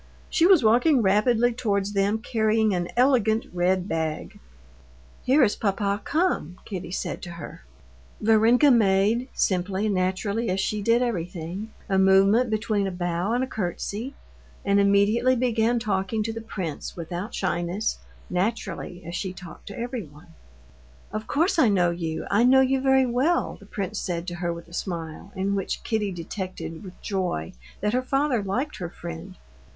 She was walking rapidly towards them carrying an elegant red bag. "Here is papa come," Kitty said to her. Varenka made—simply and naturally as she did everything—a movement between a bow and a curtsey, and immediately began talking to the prince, without shyness, naturally, as she talked to everyone. "Of course I know you; I know you very well," the prince said to her with a smile, in which Kitty detected with joy that her father liked her friend.